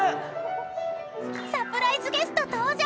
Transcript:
［サプライズゲスト登場！］